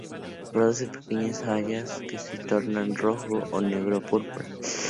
Produce pequeñas bayas que se tornan naranja-rojo a negro-púrpura.